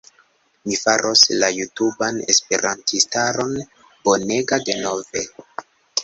Mi faros la jutuban esperantistaron bonega denove!!